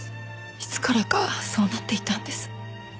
いつからかそうなっていたんです。